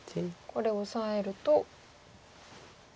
これオサえると。